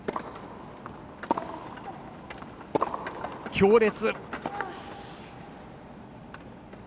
強烈！